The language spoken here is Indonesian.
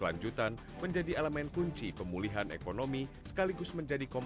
hal demikiannya pola penduduk negara dan masyarakat wilayah kita sedang menegur pandemik pandemi covid sembilan belas